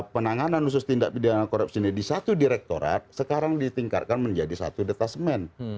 penanganan khusus tindak pidana korupsi ini di satu direktorat sekarang ditingkatkan menjadi satu detasmen